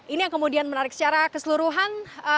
ini yang kemudian menarik secara keseluruhan